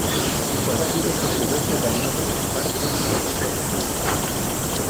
Cualquier otro juguete daría sus partes por ser tú.